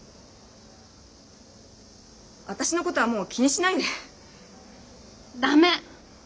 私のことはもう気にしないで。